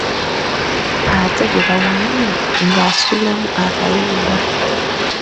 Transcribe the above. Ate gwe bawaanye; ng’asuulamu akayimba.